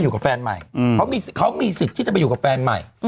เขามีสิทธิ์ที่จะไปอยู่กับแฟนใหม่